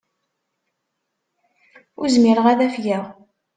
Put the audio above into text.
Ur zmireɣ ad afgeɣ.